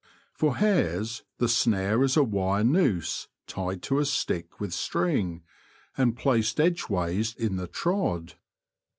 For hares the snare is a wire noose tied to a stick with string, and placed edgeways in the trod.